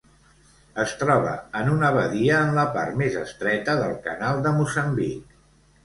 Es troba en una badia en la part més estreta del Canal de Moçambic.